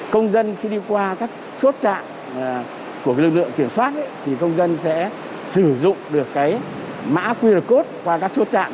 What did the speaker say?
công dân khi đi qua các chốt trạng của lực lượng kiểm soát thì công dân sẽ sử dụng được mã qr code qua các chốt chạm